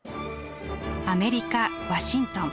アメリカ・ワシントン。